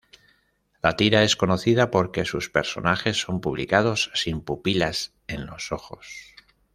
La tira es conocida porque sus personajes son publicados sin pupilas en los ojos.